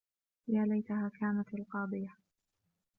يا ليتها كانت القاضية